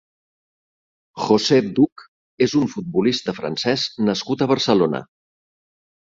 José Duch és un futbolista francès nascut a Barcelona.